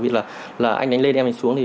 vì là anh đánh lên em đánh xuống